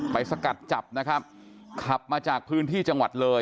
สกัดจับนะครับขับมาจากพื้นที่จังหวัดเลย